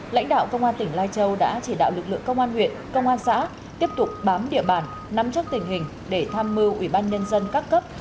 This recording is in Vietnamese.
lãnh đạo công an tỉnh lai châu đã chỉ đạo lực lượng công an huyện công an xã tiếp tục bám địa bàn nắm chắc tình hình để tham mưu ủy ban nhân dân các cấp